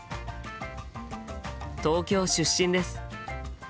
東京出身です。